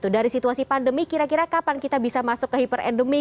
dari situasi pandemi kira kira kapan kita bisa masuk ke hiperendemi